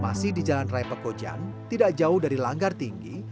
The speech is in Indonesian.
masih di jalan raya pekojan tidak jauh dari langgar tinggi